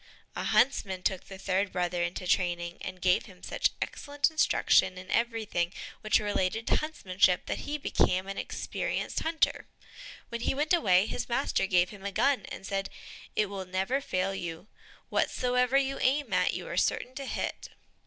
A huntsman took the third brother into training, and gave him such excellent instruction in everything which related to huntsmanship, that he became an experienced hunter. When he went away, his master gave him a gun and said, "It will never fail you; whatsoever you aim at, you are certain to hit."